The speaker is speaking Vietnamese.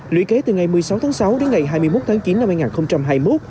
lũy kế từ ngày một mươi sáu tháng sáu đến ngày hai mươi một tháng chín năm hai nghìn hai mươi một